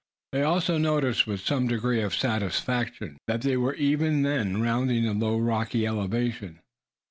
They also noticed with some degree of satisfaction, that they were even then rounding the low rocky elevation.